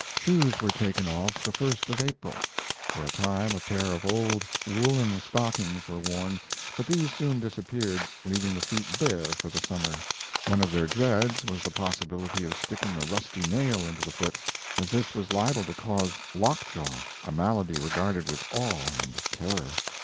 Shoes were taken off the first of April. For a time a pair of old woolen stockings were worn, but these soon disappeared, leaving the feet bare for the summer. One of their dreads was the possibility of sticking a rusty nail into the foot, as this was liable to cause lockjaw, a malady regarded with awe and terror.